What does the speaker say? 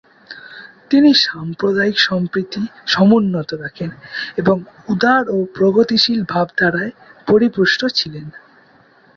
তিনি সাম্প্রদায়িক সম্প্রীতি সমুন্নত রাখেন এবং উদার ও প্রগতিশীল ভাবধারায় পরিপুষ্ট ছিলেন।